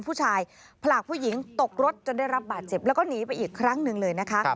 ผู้ชายผลักผู้หญิงตกรถจนได้รับบาดเจ็บแล้วก็หนีไปอีกครั้งหนึ่งเลยนะคะ